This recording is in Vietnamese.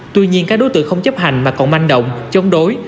tuy nhiên các đối tượng không chấp hành mà còn manh động chống đối